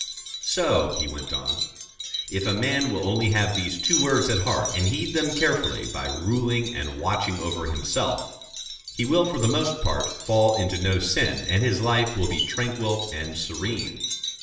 "So," he went on, "if a man will only have these two words at heart, and heed them carefully by ruling and watching over himself, he will for the most part fall into no sin, and his life will be tranquil and serene."